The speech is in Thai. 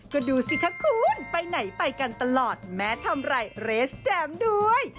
ก็ดูสิคะคุณไปไหนไปกันตลอดแม้ทำอะไรเรสแจมด้วย